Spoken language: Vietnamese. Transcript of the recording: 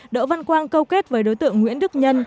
đỗ văn quang câu kết với đối tượng nguyễn đức nhân